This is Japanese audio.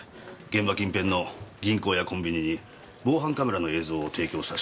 現場近辺の銀行やコンビニに防犯カメラの映像を提供させたと聞きました。